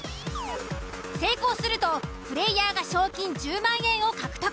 成功するとプレイヤーが賞金１０万円を獲得。